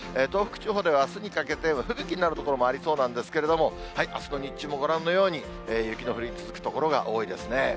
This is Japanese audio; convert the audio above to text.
東北地方ではあすにかけて、吹雪になる所もありそうですけれども、あすの日中もご覧のように、雪の降り続く所が多いですね。